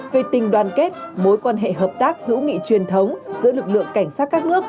về tình đoàn kết mối quan hệ hợp tác hữu nghị truyền thống giữa lực lượng cảnh sát các nước